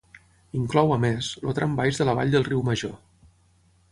Inclou, a més, el tram baix de la vall del Riu Major.